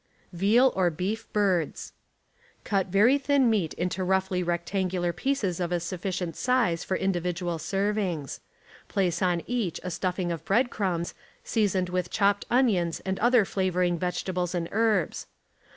VEAL OR BEEF BIRDS— Cut very thin meat into roughly rectangular pieces of a sufficient size for individual servings. Place on each a stuffing of bread crumbs, seasoned with chopped onions and other flavoring vegetables and herbs.